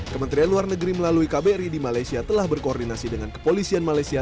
kementerian luar negeri melalui kbri di malaysia telah berkoordinasi dengan kepolisian malaysia